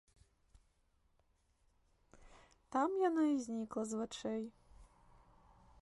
Там яна і знікла з вачэй.